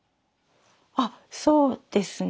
あっそうですね。